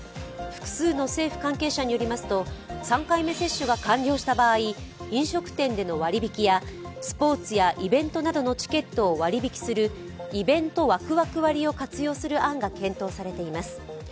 複数の政府関係者によりますと３回目接種が完了した場合飲食店での割引きやスポーツやイベントなどのチケットを割引するイベントワクワク割を活用する案が検討されています。